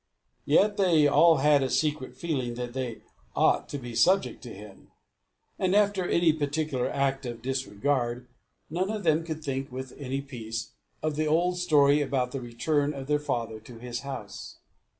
Yet they all had a secret feeling that they ought to be subject to him; and after any particular act of disregard, none of them could think, with any peace, of the old story about the return of their father to his house.